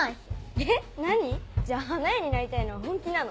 えっ何じゃあ花屋になりたいのは本気なの？